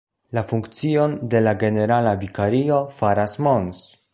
La funkcion de la generala vikario faras Mons.